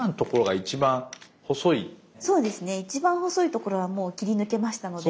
一番細いところはもう切り抜けましたので。